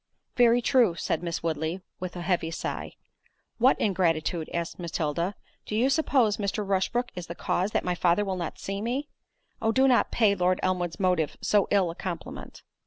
"Very true," said Miss Woodley, with a heavy sigh. "What ingratitude?" asked Matilda, "do you suppose Mr. Rushbrook is the cause that my father will not see me? Oh do not pay Lord Elmwood's motive so ill a compliment."